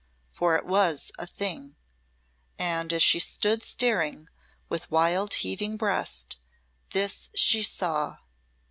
For it was a Thing, and as she stood staring, with wild heaving breast, this she saw.